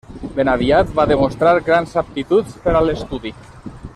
Ben aviat va demostrar grans aptituds per a l'estudi.